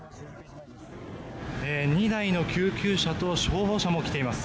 ２台の救急車と消防車も来ています。